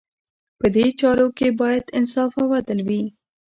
په دې چارو کې باید انصاف او عدل وي.